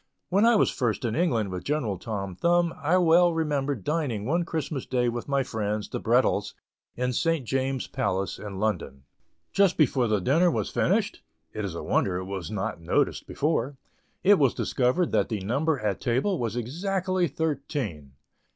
When I was first in England with General Tom Thumb, I well remember dining one Christmas day with my friends, the Brettells, in St. James's Palace, in London. Just before the dinner was finished (it is a wonder it was not noticed before) it was discovered that the number at table was exactly thirteen.